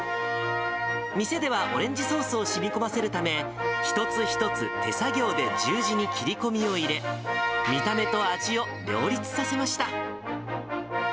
店ではオレンジソースをしみこませるため、一つ一つ、手作業で十字に切り込みを入れ、見た目と味を両立させました。